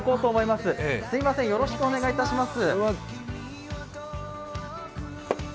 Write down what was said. すいません、よろしくお願いいたします。